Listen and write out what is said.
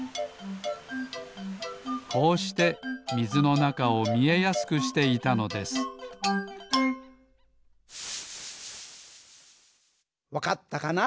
こうしてみずのなかをみえやすくしていたのですわかったかな？